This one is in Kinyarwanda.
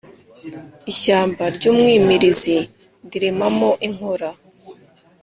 Ishyamba ry’umwimirizi ndiremamo inkora.